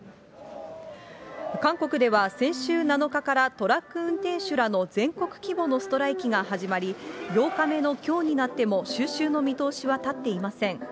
韓国では先週７日からトラック運転手らの全国規模のストライキが始まり、８日目のきょうになっても、収拾の見通しは立っていません。